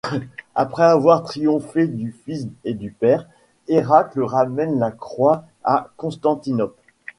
Après avoir triomphé du fils et du père, Eracle ramène la croix à Constantinople.